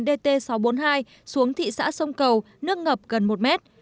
dt sáu trăm bốn mươi hai xuống thị xã sông cầu nước ngập gần một mét